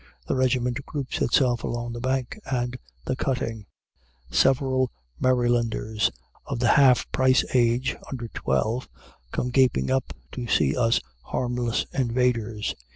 The regiment groups itself along the bank and the cutting. Several Marylanders of the half price age under twelve come gaping up to see us harmless invaders.